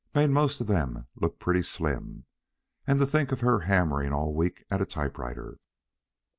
Made most of them look pretty slim. And to think of her hammering all week at a typewriter.